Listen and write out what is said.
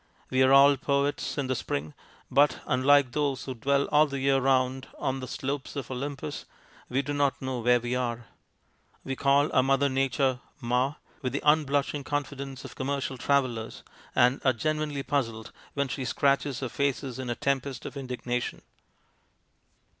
We are all poets in the spring, but, unlike those who dwell all the year round on the slopes of Olympus, we do not know where we are. We call our mother Nature " ma " with the unblush ing confidence of commercial travellers, and are genuinely puzzled when she scratches our faces in a tempest of indignation.